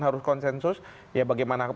harus konsensus ya bagaimana